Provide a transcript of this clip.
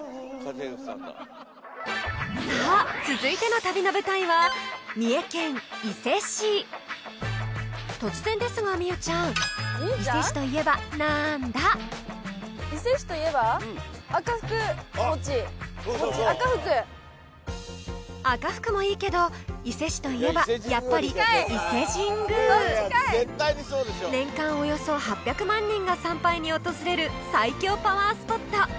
さあ続いての旅の舞台は三重県伊勢市突然ですが望結ちゃん「赤福」もいいけど伊勢市といえばやっぱり「伊勢神宮」年間およそ８００万人が参拝に訪れる最強パワースポット！